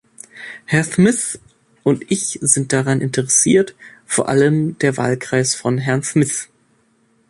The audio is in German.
Herr Smith und ich sind daran interessiert, vor allem der Wahlkreis von Herrn Smith.